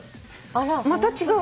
また違う。